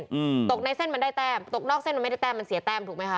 อืมตกในเส้นมันได้แต้มตกนอกเส้นมันไม่ได้แต้มมันเสียแต้มถูกไหมคะ